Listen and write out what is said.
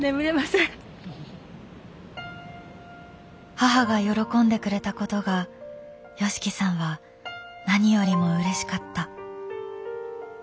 母が喜んでくれたことがＹＯＳＨＩＫＩさんは何よりもうれしかった。